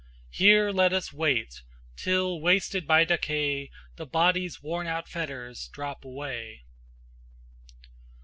Here let us wait till wasted by decay The body's worn out fetters drop away."